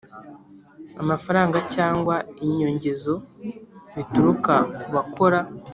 Amafaranga cyangwa inyongezo bituruka ku bakora